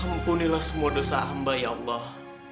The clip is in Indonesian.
ampunilah semua dosa hamba ya allah